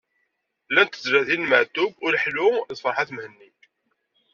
Llant tezlatin n Maɛtub, Uleḥlu d Ferḥat Mhenni.